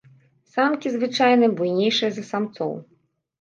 Самкі звычайна буйнейшыя за самцоў.